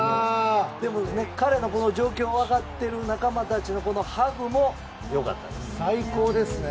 でも、彼のこの状況を分かってる仲間たちのハグも良かったですよね。